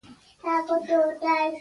د غرمې پیسې به خپله ورکوو.